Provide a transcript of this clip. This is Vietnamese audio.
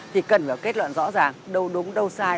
thì cần phải kết luận rõ ràng đâu đúng đâu sai